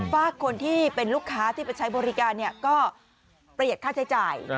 ฝากคนที่เป็นลูกค้าที่ไปใช้บริการก็ประหยัดค่าใช้จ่าย